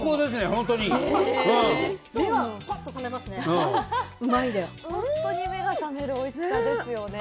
本当に目が覚めるおいしさですよね。